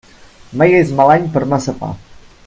Mai és mal any per massa pa.